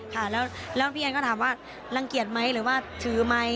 ค่ะแล้วพี่แอนก็ถามว่ารังเกียจไหมหรือว่าถือไหม